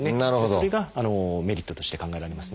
それがメリットとして考えられますね。